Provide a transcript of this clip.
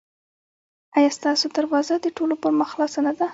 ایا ستاسو دروازه د ټولو پر مخ خلاصه نه ده؟